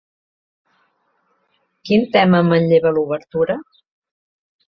Quin tema manlleva l'obertura?